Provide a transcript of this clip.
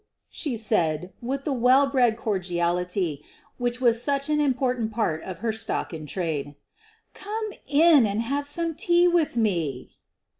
she said, with the well bred cordiality which was such an im portant part of her stock in trade. "Come in and have some tea with me."